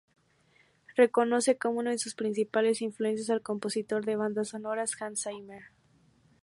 Reconoce como una de sus principales influencias al compositor de bandas sonoras Hans Zimmer.